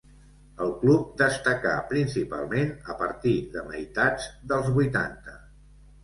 El club destacà principalment a partir de meitats dels vuitanta.